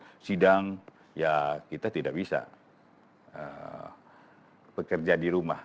kita terus harus sidang ya kita tidak bisa bekerja di rumah